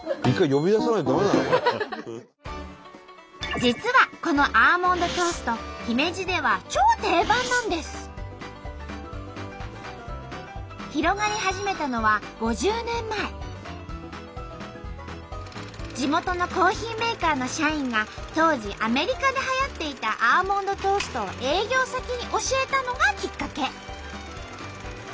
実はこのアーモンドトースト広がり始めたのは地元のコーヒーメーカーの社員が当時アメリカではやっていたアーモンドトーストを営業先に教えたのがきっかけ。